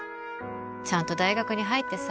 ちゃんと大学に入ってさ